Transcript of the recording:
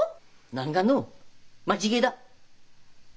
何がの間違えだ！